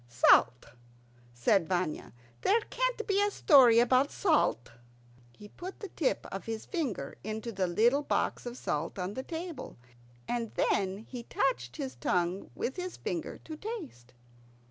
"Salt," said Vanya. "There can't be a story about salt." He put the tip of his finger into the little box of salt on the table, and then he touched his tongue with his finger to taste.